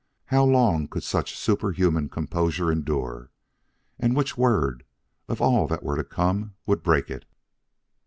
How long could such superhuman composure endure? And which word of all that were to come would break it?